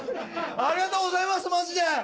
ありがとうございますマジで！